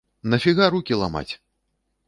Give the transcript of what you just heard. На фіга рукі ламаць?